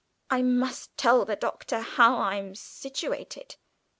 "I must tell the Doctor how I'm situated!"